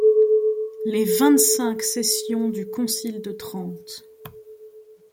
Les vingt-cinq sessions du concile de Trente